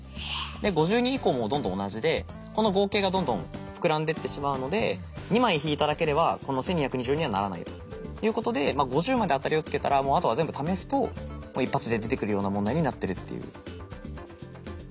で５２以降もどんどん同じでこの合計がどんどん膨らんでってしまうので２枚引いただけではこの１，２２４にはならないということで５０まで当たりをつけたらあとはもう全部試すと１発で出てくるような問題になってるっていう。